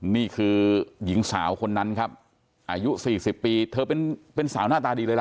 นี่คือหญิงสาวคนนั้นครับอายุ๔๐ปีเธอเป็นสาวหน้าตาดีเลยล่ะ